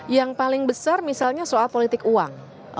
yang paling besar misalnya soal politik uang